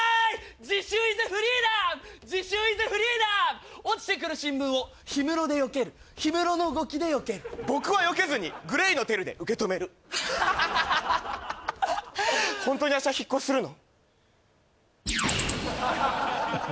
自習イズフリーダム自習イズフリーダム落ちてくる新聞を氷室でよける氷室の動きでよける僕はよけずにＧＬＡＹのＴＥＲＵで受け止めるホントに明日引っ越しするの？